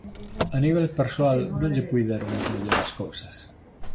A nivel persoal non lle puideron ir mellor as cousas.